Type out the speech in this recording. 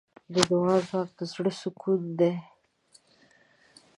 د دعا ځواک د زړۀ سکون دی.